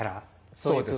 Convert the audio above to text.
そうですね。